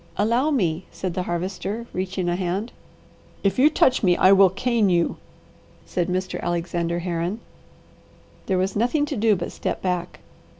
"Allow me," said the Harvester reaching a hand. "If you touch me I will cane you," said Mr. Alexander Herron. There was nothing to do but step back.